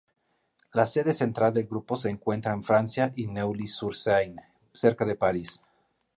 La sede central del grupo se encuentra en Francia en Neuilly-sur-Seine, cerca de París.